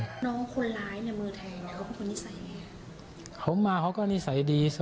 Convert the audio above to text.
น้องคนร้ายในมือแทนก็ควรนิสัยอย่างไง